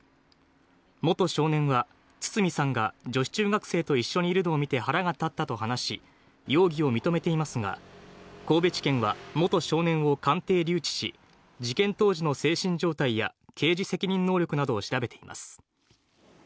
元少年は堤さんが女子中学生と一緒にいるのを見て腹が立ったと話し、容疑を認めていますが、神戸地検は元少年を鑑定留置し、事件当時の精神状態や刑事責任能力などを調べています。